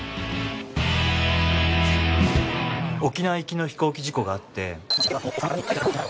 沖縄行きの飛行機事故があって。